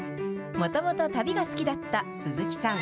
もともと旅が好きだった鈴木さん。